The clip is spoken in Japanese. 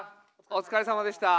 お疲れさまでした。